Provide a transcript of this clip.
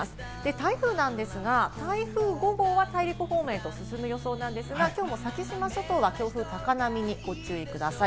台風なんですが、台風５号は大陸方面に進む予想ですが、きょうも先島諸島は強風、高波にご注意ください。